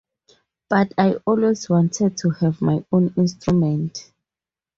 But I always wanted to have my own instrument.